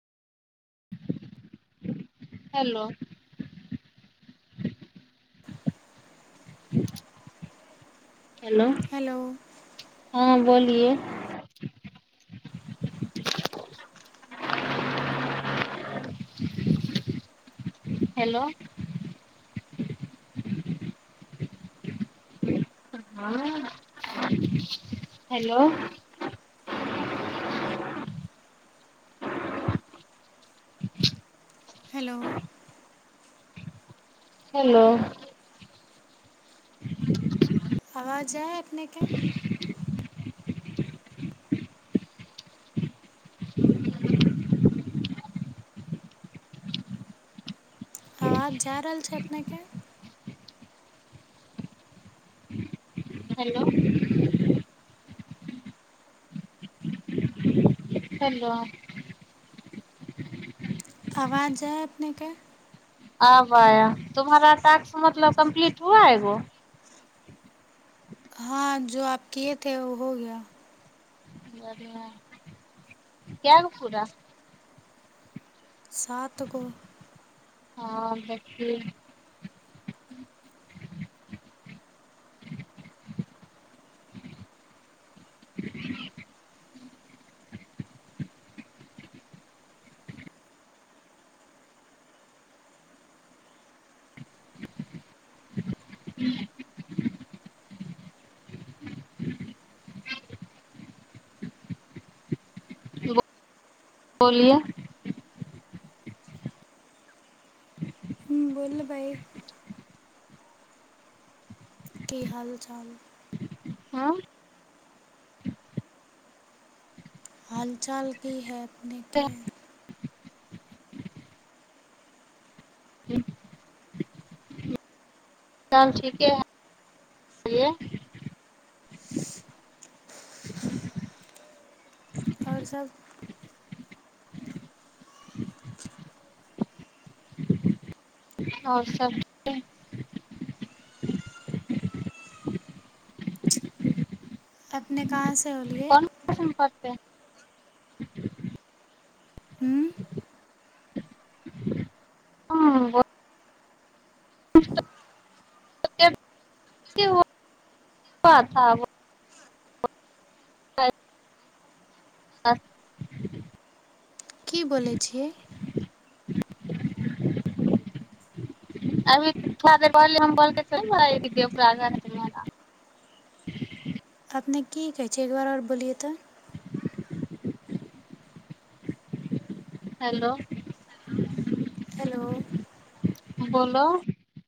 hello hmm hello हँ बोलिए hello hello hello hello आवाज आय अपनेके आवाज जा रहल छै अपनेके हेलो हलो आवाज आय अपनेके आबा तुम्हारा टास्क मतलब कम्प्लीट हुआ एगो हँ जो आप किएथे ओ हो गया बढ़िआँ कए गो पूरा सात गो हँ बस बोलिए बोलबै की हाल चाल हँ हालचाल की है अपनेके हाल चाल ठीके है बोलिए आओर सभ [unintelligible] आओर सब ठीक अपने कहाँसे होलियै हूँ हँ‌ [unintelligible] [unintelligible] [unintelligible] की बोलै छियै अभी थोड़ा देर पहले हम काल करके नही बोलाए कि [unintelligible] अपने की कहै छै एक दुआरे आर बोलियै तऽ हेलो हेलो बोलो